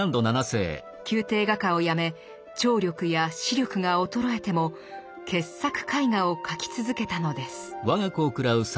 宮廷画家を辞め聴力や視力が衰えても傑作絵画を描き続けたのです。